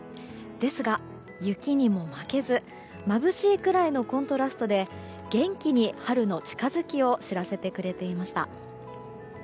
ですが、雪にも負けずまぶしいくらいのコントラストで元気に春の近づきを知らせてくれていました。